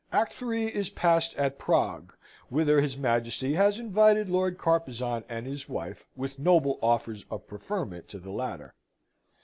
Act III. is passed at Prague, whither his Majesty has invited Lord Carpezan and his wife, with noble offers of preferment to the latter.